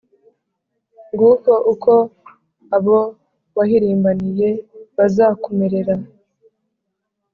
nguko uko abo wahirimbaniye bazakumerera,